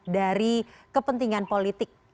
dari kepentingan politik